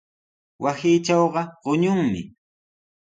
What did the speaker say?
Wasiitrawqa quñunmi.